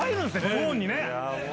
ゾーンにね。